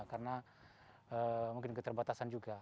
karena mungkin keterbatasan juga